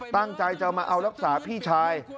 ตั้งใจจะมาเอารักษาพี่ชาย